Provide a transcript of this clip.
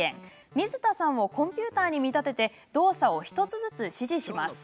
水田さんをコンピューターに見立てて動作を１つずつ指示します。